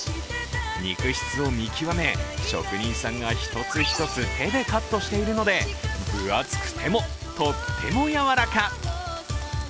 肉質を見極め、職人さんが一つ一つ手でカットしているので分厚くても、とってもやわらか。